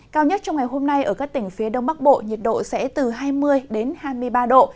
cao nhất trong ngày hôm nay ở các tỉnh phía đông bắc bộ nhiệt độ sẽ từ hai mươi hai mươi ba độ